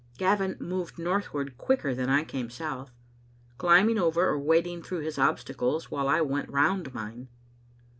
Gavin moved northward quicker than I came south, climbing over or wading through his obstacles, while I went round mine.